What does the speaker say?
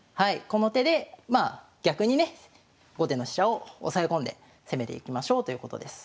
この手でまあ逆にね後手の飛車を押さえ込んで攻めていきましょうということです。